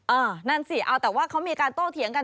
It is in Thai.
นั่นสิเอาแต่ว่าเขามีการโต้เถียงกัน